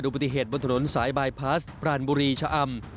ปฏิเหตุบนถนนสายบายพลาสปรานบุรีชะอำ